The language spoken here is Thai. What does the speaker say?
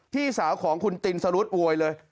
พี่สาวของคุณตินสรุธโวยเลย